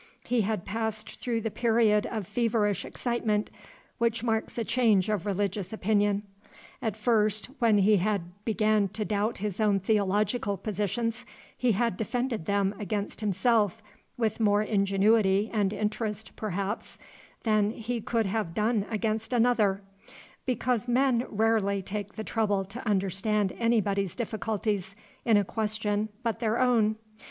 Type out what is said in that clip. He had passed through the period of feverish excitement which marks a change of religious opinion. At first, when he had began to doubt his own theological positions, he had defended them against himself with more ingenuity and interest, perhaps, than he could have done against another; because men rarely take the trouble to understand anybody's difficulties in a question but their own.